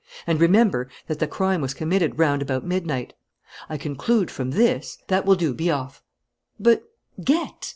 And remember that the crime was committed round about midnight. I conclude from this " "That will do; be off!" "But " "Get!"